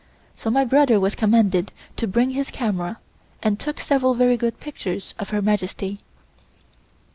So my brother was commanded to bring his camera, and took several very good pictures of Her Majesty.